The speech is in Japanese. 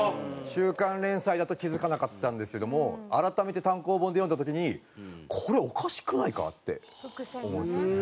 週刊連載だと気付かなかったんですけども改めて単行本で読んだ時にこれおかしくないか？って思うんですよね。